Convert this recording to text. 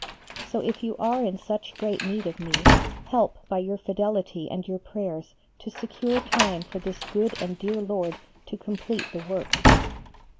So if you are in such great need of me, help by your fidelity and your prayers to secure time for this good and dear Lord to complete the work.